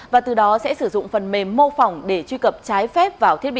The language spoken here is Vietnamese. và từ đó sẽ sử dụng phần mềm mô phỏng để truy cập trái phép